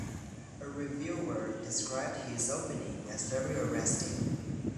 A reviewer described his opening as "very arresting".